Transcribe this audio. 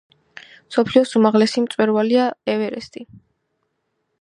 მსოფლიოს უმაღლესი მწვერვალია ევერესტი.